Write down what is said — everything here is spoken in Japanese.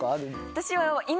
私は。